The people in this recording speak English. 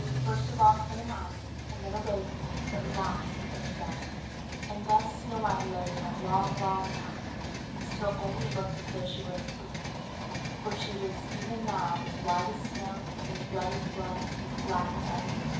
First of all came an owl, and then a raven, but at last came a dove. And thus Snow White lay for a long, long time, and still only looked as though she were asleep; for she was even now as white as snow, and as red as blood, and as black as ebony.